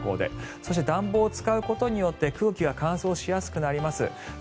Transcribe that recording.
そして暖房を使うことによって空気が乾燥しやすくなります。